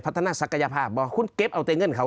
พัฒนาศักยภาพบ่ะคุณเก็บเอาเตะเงินเขา